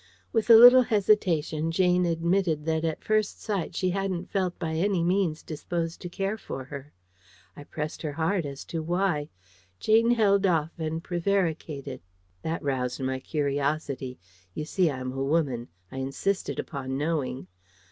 With a little hesitation, Jane admitted that at first sight she hadn't felt by any means disposed to care for her. I pressed her hard as to why. Jane held off and prevaricated. That roused my curiosity: you see, I'm a woman. I insisted upon knowing.